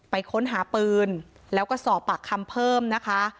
ค้นหาปืนแล้วก็สอบปากคำเพิ่มนะคะ